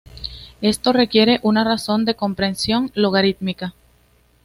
Esto requiere una razón de compresión logarítmica.